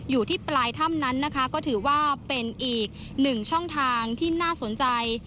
อยู่ที่ปลายถ้ำนั้นนะคะก็ถือว่าเป็นอีกหนึ่งช่องทางที่น่าสนใจ